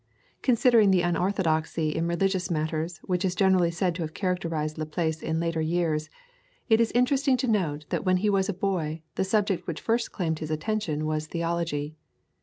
Considering the unorthodoxy in religious matters which is generally said to have characterized Laplace in later years, it is interesting to note that when he was a boy the subject which first claimed his attention was theology.